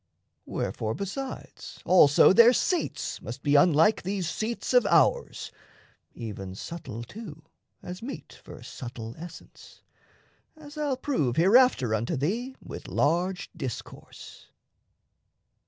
Wherefore, besides, also their seats must be Unlike these seats of ours, even subtle too, As meet for subtle essence as I'll prove Hereafter unto thee with large discourse.